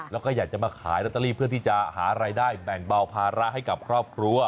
แล้วก็อยากจะมาขายลอตเตอรี่เพื่อที่จะหารายได้แบ่งเบาภาระให้กับครอบครัว